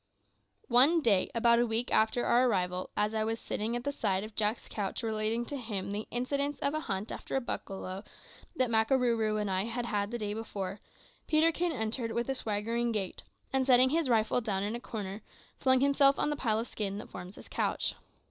One day about a week after our arrival, as I was sitting at the side of Jack's couch relating to him the incidents of a hunt after a buffalo that Makarooroo and I had had the day before, Peterkin entered with a swaggering gait, and setting his rifle down in a corner, flung himself on the pile of skins that formed his couch.